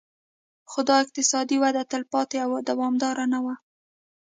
خو دا اقتصادي وده تلپاتې او دوامداره نه وه